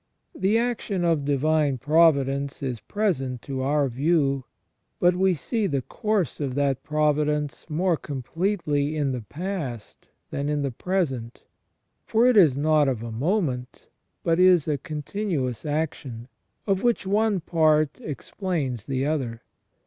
The action of divine providence is present to our view, but we see the course of that providence more com pletely in the past than in the present ; for it is not of a moment, but is a continuous action, of which one part explains the other.